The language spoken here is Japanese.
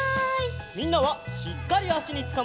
みんなはしっかりあしにつかまって！